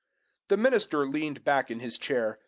The minister leaned back in his chair.